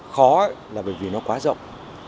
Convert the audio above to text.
khó là bởi vì nó quá rộng